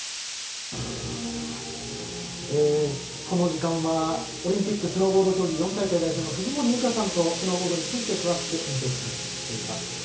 この時間はオリンピックスノーボード競技４大会代表の藤森由香さんとスノーボードについて詳しく見ていっています。